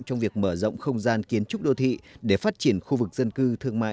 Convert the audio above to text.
trong việc mở rộng không gian kiến trúc đô thị để phát triển khu vực dân cư thương mại